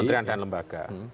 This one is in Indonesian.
kementerian dan lembaga